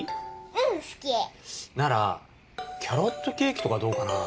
うん好き！ならキャロットケーキとかどうかな？